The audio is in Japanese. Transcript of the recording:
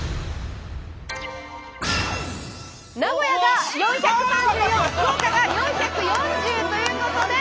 名古屋が４３４福岡が４４０ということで。